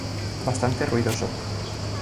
Bastante ruidoso.